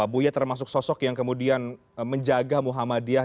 buya termasuk sosok yang kemudian menjaga muhammadiyah